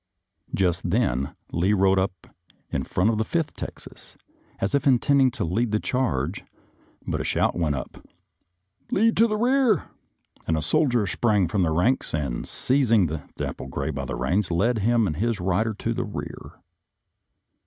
Just then Lee rode in front of the Fifth Texas, as if intending to lead the charge, but a shout went up, " Lee to the rear! " and a soldier sprang from the ranks, and, seizing the dapple gray by the reins, led him and his rider to the rear.